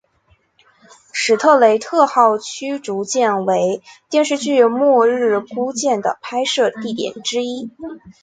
史特雷特号驱逐舰为电视剧末日孤舰的拍摄地点之一